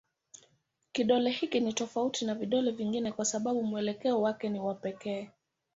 Kidole hiki ni tofauti na vidole vingine kwa sababu mwelekeo wake ni wa pekee.